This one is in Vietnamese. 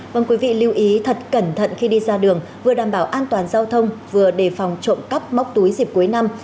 vâng quý vị lưu ý thật cẩn thận khi đi ra đường vừa đảm bảo an toàn giao thông vừa đề phòng trộm cắp móc túi dịp cuối năm